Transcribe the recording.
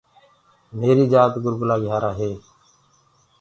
ميريٚ جات گُرگُلا(گهيارآ) هي۔